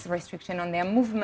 ada restriksi pada pergerakan mereka